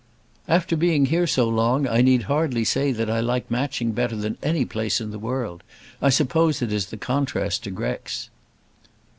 "After being here so long I need hardly say that I like Matching better than any place in the world. I suppose it is the contrast to Grex."